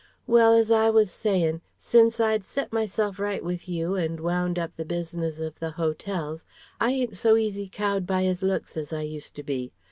"Well, as I was sayin', since I'd set myself right with you and wound up the business of the hotels I ain't so easy cowed by 'is looks as I used to be.